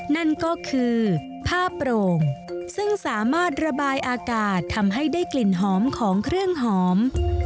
นั่นก็คือผ้าโปร่งซึ่งสามารถระบายอากาศทำให้ได้กลิ่นหอมของเครื่องหอม